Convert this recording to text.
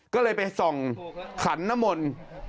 ก็เลยไปส่งขันนมนต์